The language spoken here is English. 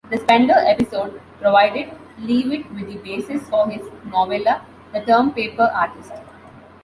The Spender episode provided Leavitt with the basis for his novella "The Term-Paper Artist".